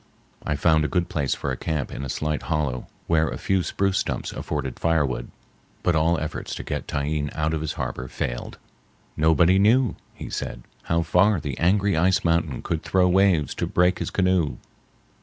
I found a good place for a camp in a slight hollow where a few spruce stumps afforded firewood. But all efforts to get Tyeen out of his harbor failed. "Nobody knew," he said, "how far the angry ice mountain could throw waves to break his canoe."